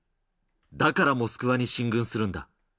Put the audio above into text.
だから、モスクワに進軍するんだ。